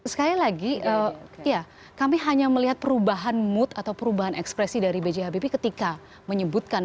sekali lagi ya kami hanya melihat perubahan mood atau perubahan ekspresi dari b j habibie ketika menyebutkan